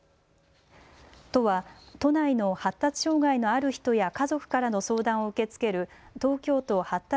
都は都内の発達障害のある人や家族からの相談を受け付ける東京都発達